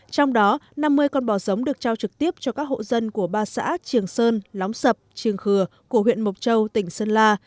trong đó năm mươi con bò giống được trao trực tiếp cho các hộ dân của ba xã trường sơn lóng sập triềng khừa của huyện mộc châu tỉnh sơn la